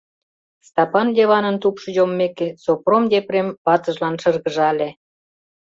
Стапан Йыванын тупшо йоммеке, Сопром Епрем ватыжлан шыргыжале: